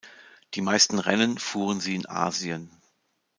Die meisten Rennen fuhren sie in Asien.